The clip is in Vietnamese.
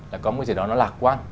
là có một cái gì đó nó lạc quan